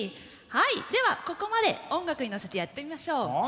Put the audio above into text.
はいではここまで音楽に乗せてやってみましょう。